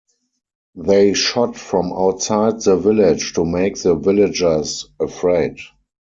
They shot from outside the village to make the villagers afraid.